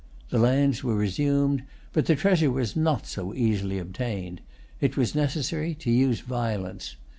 The lands were resumed; but the treasure was not so easily obtained. It was necessary to use violence.